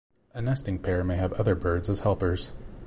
A nesting pair may have other birds as helpers.